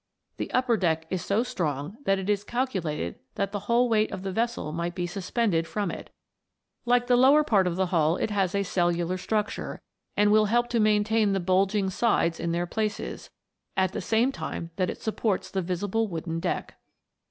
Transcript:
The upper deck is so strong that it is cal culated that the whole weight of the vessel might be suspended from it ; like the lower part of the hull it has a cellular structure, and will help to maintain the bulging sides in their places, at the same time that it supports the visible wooden deck.